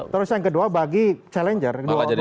terus yang kedua bagi challenger